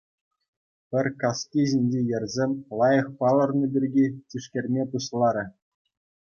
Пӗр каски ҫинчи йӗрсем лайӑх палӑрнӑ пирки тишкерме пуҫларӗ.